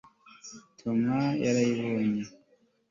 tom yarabibonye